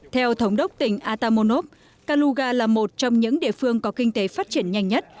theo thống đốc tỉnh atamonov kaluga là một trong những địa phương có kinh tế phát triển nhanh nhất